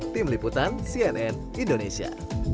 tim liputan cnn indonesia